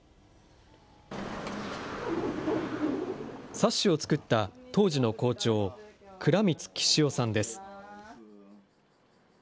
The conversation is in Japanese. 冊子を作った当時の校長、藏滿規司男さんです。